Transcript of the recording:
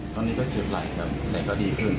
ตอนนี้ก็เจ็บไหลครับไหนก็ดีขึ้น